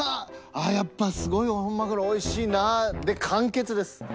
「ああやっぱすごい本鮪おいしいなあ」で完結です。